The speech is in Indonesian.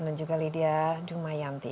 dan juga lydia dumayanti